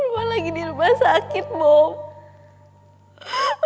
wulan lagi di rumah sakit bob